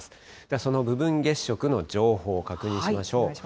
その部分月食の情報、確認しましょう。